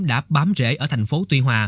đã bám rễ ở thành phố tuy hòa